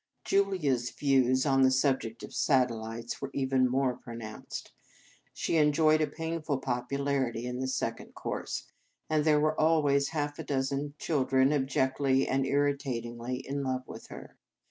Julia s views on the subject of satel lites were even more pronounced. She enjoyed a painful popularity in the Second Cours, and there were always half a dozen children abjectly and irritatingly in love with her.